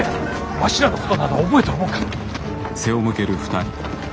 わしらのことなど覚えとるもんか。